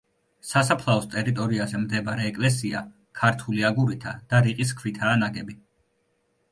სასაფლაოს ტერიტორიაზე მდებარე ეკლესია ქართული აგურითა და რიყის ქვითაა ნაგები.